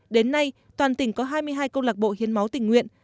đến nay toàn tỉnh có hai mươi hai công lạc bộ hiến máu tình nguyện